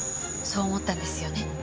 そう思ったんですよね？